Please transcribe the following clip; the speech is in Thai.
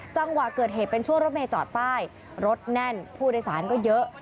จังหวะเกิดเหตุเป็นช่วงรถเมย์จอดป้ายรถแน่นผู้โดยสารก็เยอะ